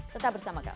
tetap bersama kami